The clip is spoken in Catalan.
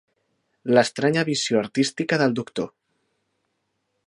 L'estranya visió artística del doctor.